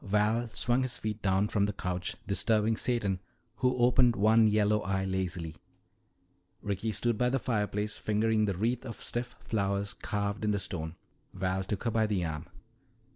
Val swung his feet down from the couch, disturbing Satan who opened one yellow eye lazily. Ricky stood by the fireplace fingering the wreath of stiff flowers carved in the stone. Val took her by the arm.